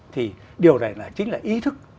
thì điều này là chính là ý thức